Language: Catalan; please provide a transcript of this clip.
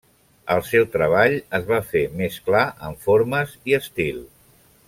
El seu treball es va fer més clar en formes i estil.